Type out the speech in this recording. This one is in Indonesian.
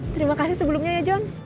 terima kasih sebelumnya ya john